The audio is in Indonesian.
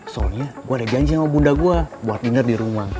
soalnya gue ada janji sama bunda gue buat dinger di rumah